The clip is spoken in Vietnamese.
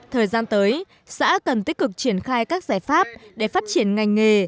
thời gian tới xã cần tích cực triển khai các giải pháp để phát triển ngành nghề